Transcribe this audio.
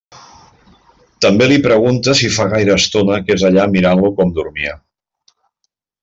També li pregunta si fa gaire estona que és allà mirant-lo com dormia.